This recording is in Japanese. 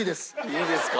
いいですか？